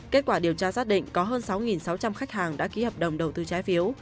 kết quả điều tra xác định có hơn sáu sáu trăm linh khách hàng đã ký hợp đồng đầu tư trái phiếu